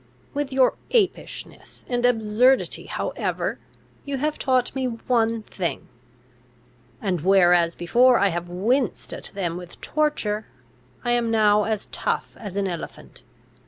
With your apishness and absurdity however you have taught me one thing; and, whereas before I have winced at them with torture, I am now as tough as an elephant.